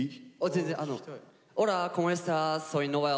全然あの。